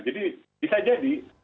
jadi bisa jadi